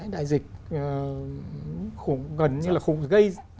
đại dịch khủng gần nhất